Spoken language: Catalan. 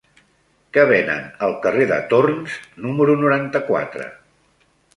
Què venen al carrer de Torns número noranta-quatre?